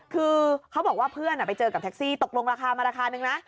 คือเขาบอกว่าเพื่อนไปเจอกับแท็กซี่ตกลงราคามาราคานึงนะ